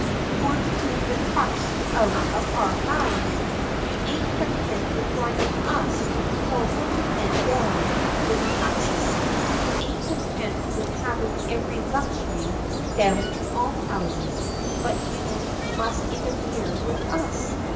You want to take the crust out of our mouths. You ain't content with grinding us poor working men down with taxes you ain't content with having every luxury down to almhouses, but you must interfere with us.